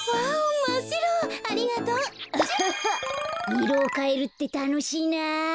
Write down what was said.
いろをかえるってたのしいな。